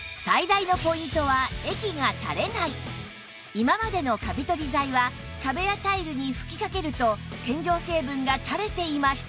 今までのカビ取り剤は壁やタイルに吹きかけると洗浄成分がたれていましたが